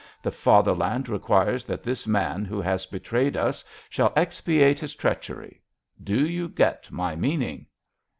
The Fatherland requires that this man who has betrayed us shall expiate his treachery! Do you get my meaning?"